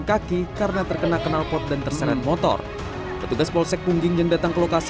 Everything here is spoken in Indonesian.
kaki karena terkena kenalpot dan terseret motor petugas polsek pungging yang datang ke lokasi